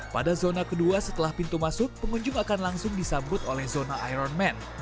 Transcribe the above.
pada zona kedua setelah pintu masuk pengunjung akan langsung disambut oleh zona iron man